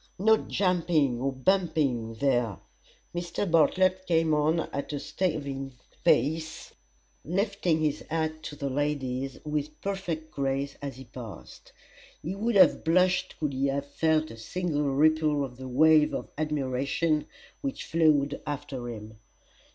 no jumping or bumping there!" Mr. Bartlett came on at a staving pace, lifting his hat to the ladies with perfect grace as he passed. He would have blushed could he have felt a single ripple of the wave of admiration which flowed after him.